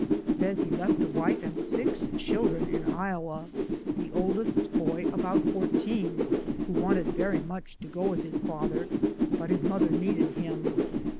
Says he left a wife and six children in Iowa, the oldest boy about four teen who wanted very much to go with his father, but his mother needed him.